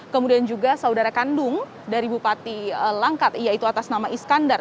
kemudian juga saudara kandung dari bupati langkat yaitu atas nama iskandar